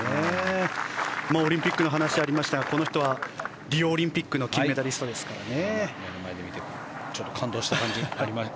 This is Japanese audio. オリンピックの話もありましたがリオオリンピックの金メダリストですね